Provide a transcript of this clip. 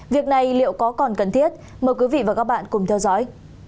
việc này liệu có còn cần thiết mời quý vị và các bạn cùng theo dõi